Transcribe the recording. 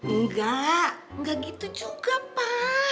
enggak enggak gitu juga pak